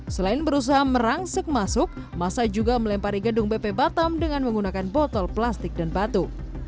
selain berusaha merangsek masuk masa juga melempari gedung bp batam dengan menggunakan botol plastik dan batu